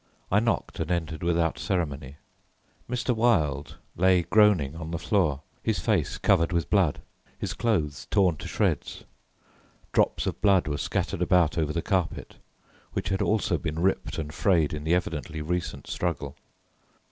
I knocked and entered without ceremony. Mr. Wilde lay groaning on the floor, his face covered with blood, his clothes torn to shreds. Drops of blood were scattered about over the carpet, which had also been ripped and frayed in the evidently recent struggle.